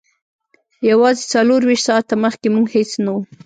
یوازې څلور ویشت ساعته مخکې موږ هیڅ نه وو